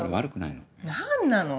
何なの？